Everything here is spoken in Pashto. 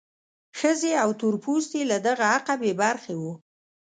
ښځې او تور پوستي له دغه حقه بې برخې وو.